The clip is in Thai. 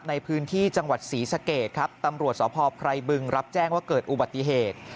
ในพื้นที่จังหวัดศรีสะเกดครับตำรวจสพไพรบึงรับแจ้งว่าเกิดอุบัติเหตุ